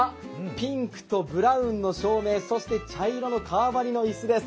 ピンクとブラウンの照明、そして茶色の革張りの椅子です。